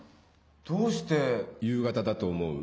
どうして夕方だと思う？